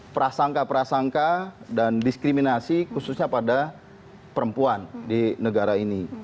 prasangka prasangka dan diskriminasi khususnya pada perempuan di negara ini